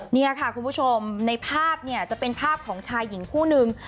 นี่ค่ะคุณผู้ชมในภาพเนี่ยจะเป็นภาพของชายหญิงคู่นึง